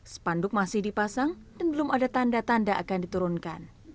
spanduk masih dipasang dan belum ada tanda tanda akan diturunkan